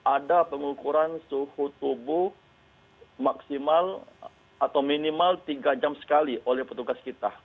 ada pengukuran suhu tubuh maksimal atau minimal tiga jam sekali oleh petugas kita